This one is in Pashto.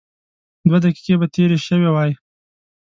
دوه دقيقې به تېرې شوې وای.